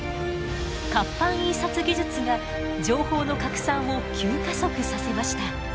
活版印刷技術が情報の拡散を急加速させました。